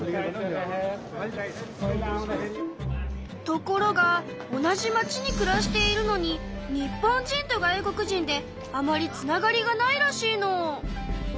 ところが同じ町にくらしているのに日本人と外国人であまりつながりがないらしいの。